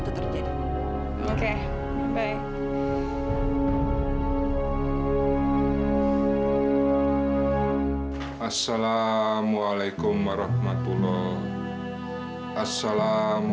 tidur kali dia